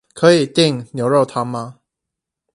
可以訂牛肉湯嗎？